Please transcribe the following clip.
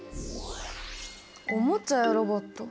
おもちゃやロボット。